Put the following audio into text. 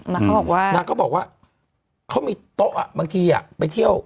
นางเขาบอกว่าเขามีโต๊ะบางทีอยากไปเที่ยว